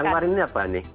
yang kemarin ini apa nih